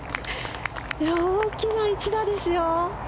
大きな一打ですよ。